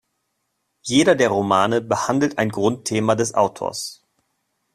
Jeder der Romane behandelt ein Grundthema des Autors.